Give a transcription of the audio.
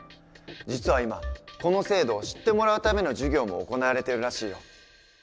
実は今この制度を知ってもらうための授業も行われてるらしいよ。